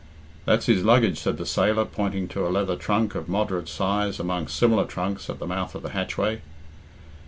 "That's his luggage," said the sailor, pointing to a leather trunk of moderate size among similar trunks at the mouth of the hatchway.